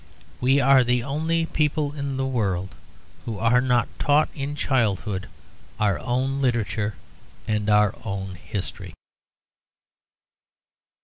We are the only people in the world who are not taught in childhood our own literature and our own history.